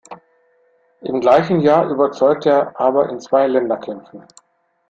Im gleichen Jahr überzeugte er aber in zwei Länderkämpfen.